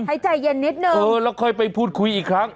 ให้ใจเย็นนิดนึงเออแล้วค่อยไปพูดคุยอีกครั้ง